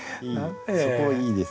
そこいいですね。